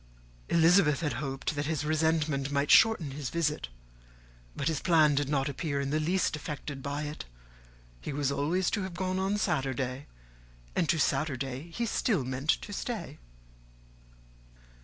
Elizabeth had hoped that his resentment might shorten his visit, but his plan did not appear in the least affected by it. He was always to have gone on Saturday, and to Saturday he still meant to stay.